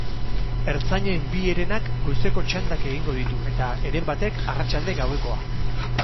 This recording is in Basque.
Ertzainen bi herenak goizeko txandak egingo ditu, eta heren batek arratsalde-gauekoa.